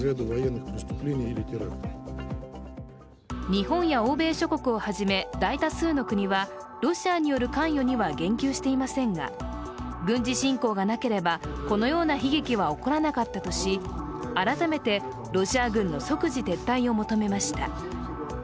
日本や欧米諸国をはじめ大多数の国はロシアによる関与には言及していませんが軍事侵攻がなければこのような悲劇は起こらなかったとし、改めてロシア軍の即時撤退を求めました。